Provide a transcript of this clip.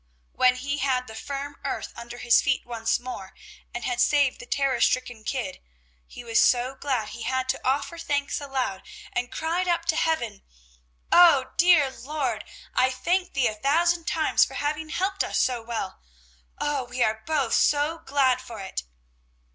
When he had the firm earth under his feet once more and had saved the terror stricken kid, he was so glad he had to offer thanks aloud and cried up to heaven: "Oh, dear Lord, I thank Thee a thousand times for having helped us so well! Oh, we are both so glad for it!"